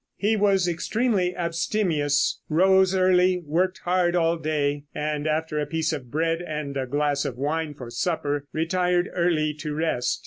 He was extremely abstemious, rose early, worked hard all day, and, after a piece of bread and a glass of wine for supper, retired early to rest.